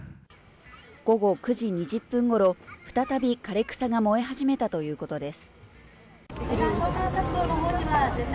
午後９時２０分頃、再び枯れ草が燃え始めたということです。